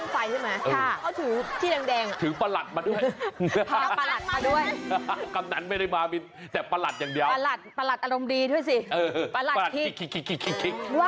พูดแบบเขาไม่ได้ถือถือบ้างไฟใช่ไหม